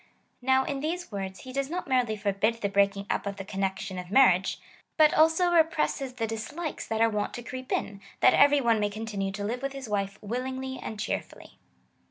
Now in these words he does not merely forbid the brealdng up of the connection of marriage, but also re presses the dislikes that are wont to creep in, that every one may continue to live Avith his wife willingly and cheer fully.